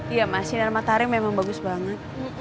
iya mas sinar matahari memang bagus banget